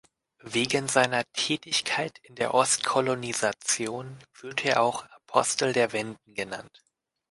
Wegen seiner Tätigkeit in der Ostkolonisation wird er auch "Apostel der Wenden" genannt.